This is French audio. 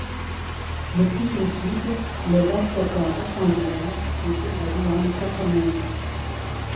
Le plus au sud, le vaste corps rectangulaire était la douane proprement dite.